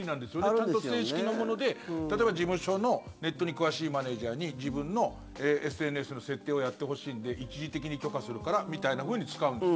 ちゃんと正式のもので事務所のネットに詳しいマネージャーに自分のＳＮＳの設定をやってほしいんで一時的に許可するからみたいなふうに使うんです。